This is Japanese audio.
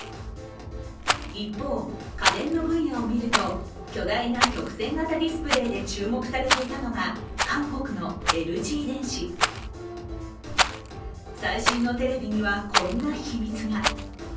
一方、家電の分野を見ると、巨大な曲線型ディスプレーで注目されていたのが韓国のＬＧ電子、最新のテレビにはこんな秘密が。